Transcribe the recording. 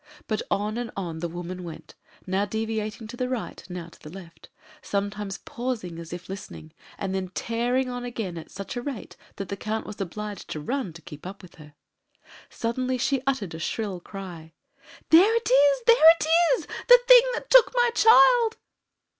But on and on the woman went, now deviating to the right, now to the left; sometimes pausing as if listening, then tearing on again at such a rate that the Count was obliged to run to keep up with her. Suddenly she uttered a shrill cry: "There it is! There it is! The thing that took my child!"